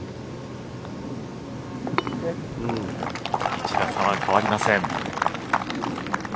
１打差は変わりません。